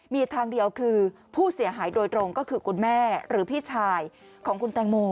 มีทางเดียวคือผู้เสียหายโดยตรงก็คือคุณแม่หรือพี่ชายของคุณแตงโม